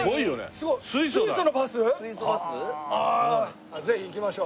すごい！ああぜひ行きましょう。